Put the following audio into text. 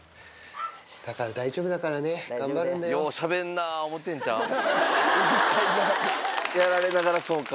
だから大丈夫だからね、頑張るんやられながらそうか、